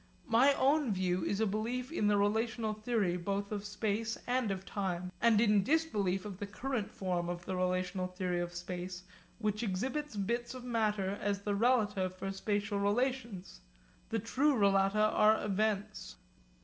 My own view is a belief in the relational theory both of space and of time, and of disbelief in the current form of the relational theory of space which exhibits bits of matter as the relata for spatial relations. The true relata are events.